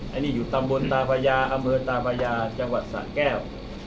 อันนี้อยู่ตำบลตาพญาอำเภอตาพญาจังหวัดสะแก้ว